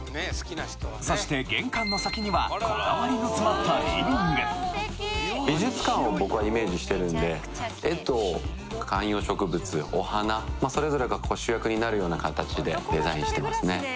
そして玄関の先にはこだわりの詰まったリビング絵と観葉植物お花それぞれが主役になるような形でデザインしてますね。